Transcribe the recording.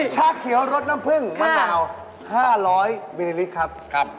ชาเขียวรสน้ำผึ้งมะนาว๕๐๐มิลลิลิตรครับ